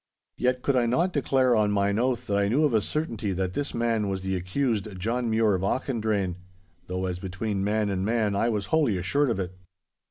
Yet could I not declare on mine oath that I knew of a certainty that this man was the accused John Mure of Auchendrayne. Though as between man and man I was wholly assured of it.